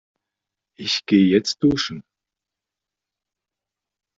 Ich geh jetzt duschen.